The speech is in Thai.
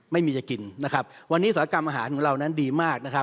ไม่มีที่จะกินวันนี้ศาลกรรมอาหารของเรานั้นดีมาก